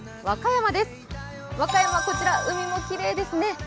和歌山、こちら海もきれいですね。